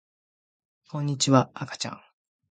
こんにちは、あかちゃん